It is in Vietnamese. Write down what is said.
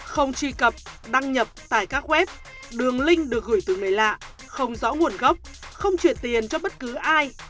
không truy cập đăng nhập tại các web đường link được gửi từ người lạ không rõ nguồn gốc không chuyển tiền cho bất cứ ai